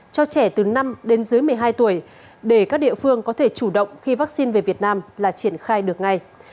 cho trẻ từ năm đến dưới một mươi hai tuổi để các địa phương có thể chủ động khi vaccine về việt nam là triển khai được ngay